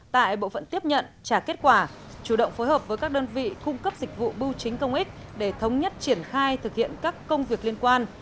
tại bộ phận tiếp nhận trả kết quả chủ động phối hợp với các đơn vị cung cấp dịch vụ bưu chính công ích để thống nhất triển khai thực hiện các công việc liên quan